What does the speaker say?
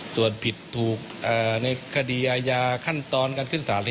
ส่วนผิดถูกในคดีอายาขั้นตอนคลื่นศาล